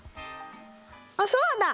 あっそうだ！